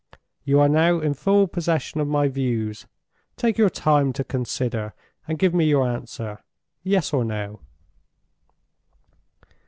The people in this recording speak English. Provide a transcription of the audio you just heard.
You are now in full possession of my views. Take your time to consider, and give me your answer—Yes or no."